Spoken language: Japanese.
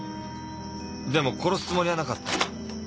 でも殺すつもりはなかった。